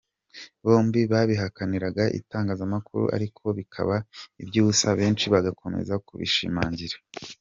Bombi babihakaniraga itangazamakuru ariko bikaba iby’ubusa benshi bagakomeza kubishimangira.